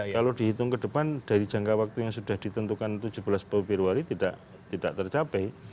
kalau dihitung ke depan dari jangka waktu yang sudah ditentukan tujuh belas februari tidak tercapai